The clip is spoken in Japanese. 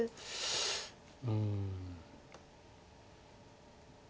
うん。